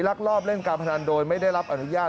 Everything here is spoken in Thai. ลอบเล่นการพนันโดยไม่ได้รับอนุญาต